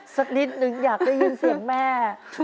สักนิดนึงอยากได้ยินเสียงแม่